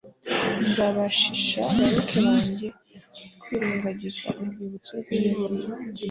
Nzabashisha abayoboke banjye kwirengagiza urwibutso rwImana